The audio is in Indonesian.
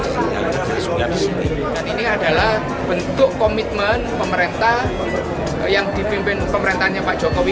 dan ini adalah bentuk komitmen pemerintah yang dipimpin pemerintahnya pak jokowi